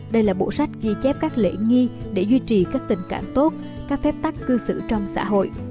đây là bộ sách ghi chép các lễ nghi để duy trì các tình cảm tốt các phép tắc cư xử trong xã hội